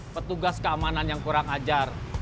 petugas keamanan yang kurang ajar